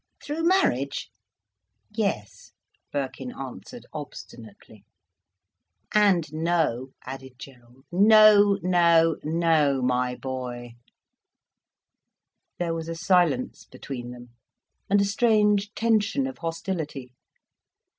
"Through marriage?" "Yes," Birkin answered obstinately. "And no," added Gerald. "No, no, no, my boy." There was a silence between them, and a strange tension of hostility.